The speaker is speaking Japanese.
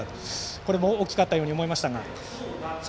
これも大きかったように思えましたが。